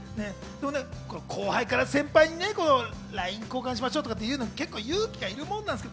後輩から先輩にＬＩＮＥ交換しましょうっていうのを結構勇気がいるもんなんです。